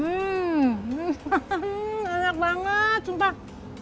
hmm enak banget sumpah